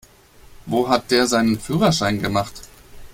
Wo hat der seinen Führerschein gemacht?